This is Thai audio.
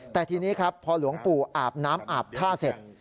แต่ทีนี้ครับพอหลวงปู่อาบน้ำอาบท่าเสร็จ